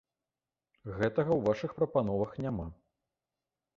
Гэтага ў вашых прапановах няма.